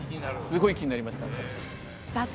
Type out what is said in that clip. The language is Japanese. すごい気になりましたさあ